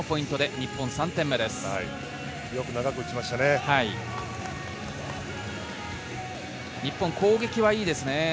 日本攻撃はいいですね。